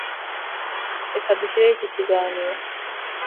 Reka dushyireho iki kiganiro.